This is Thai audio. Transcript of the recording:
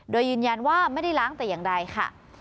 โดยยืนยันว่าไม่ได้ล้างแต่อย่างใดค่ะ